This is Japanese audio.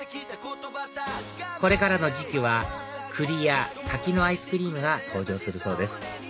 これからの時期は栗や柿のアイスクリームが登場するそうです